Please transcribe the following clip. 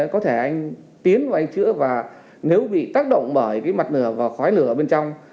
có thể anh tiến vào anh chữa và nếu bị tác động bởi cái mặt nửa và khói lửa bên trong